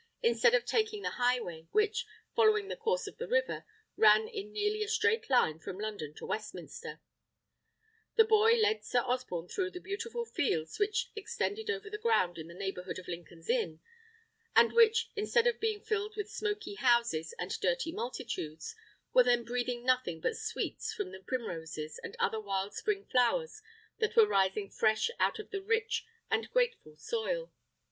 Instead of taking the highway, which, following the course of the river, ran in nearly a straight line from London to Westminster, the boy led Sir Osborne through the beautiful fields which extended over the ground in the neighbourhood of Lincoln's Inn, and which, instead of being filled with smoky houses and dirty multitudes, were then breathing nothing but sweets from the primroses and other wild spring flowers that were rising fresh out of a rich and grateful soil.